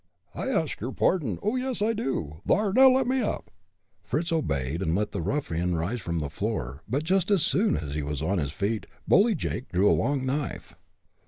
"I ask your pardon. Oh! yes, I do. Thar, now, let me up!" Fritz obeyed, and let the ruffian rise from the floor, but just as soon as he was on his feet Bully Jake drew a long knife.